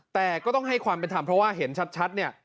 แต่ก็ต้องให้ความเป็นธรรมเพราะว่าเห็นชัดเนี่ย